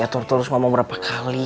terus terus ngomong berapa kali